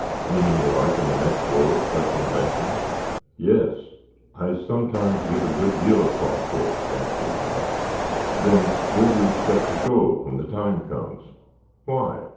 "Meaning the life in the next world?" questioned Benson. "Yes." "I sometimes give a good deal of thought to it," Jack confessed. "Then where do you expect to go, when the time comes?" "Why?"